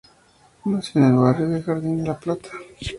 Nació en el Barrio Jardín de La Plata.